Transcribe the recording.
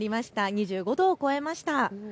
２５度を超えました。